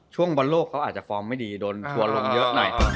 ช่วงบอลโลกเขาอาจจะฟอร์มไม่ดีโดนทัวร์ลงเยอะหน่อย